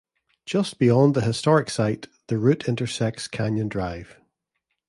Just beyond the historic site, the route intersects Canyon Drive.